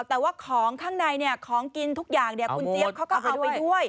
แต่ว่าของข้างในของกินทุกอย่างคุณเจี๊ยบเขาก็เอาไปด้วย